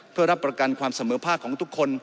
เพื่อรับประกันความเสมอภาคของทุกคน